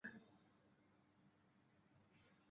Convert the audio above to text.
垃圾广告软件是一种由垃圾邮件发送者设计的软件。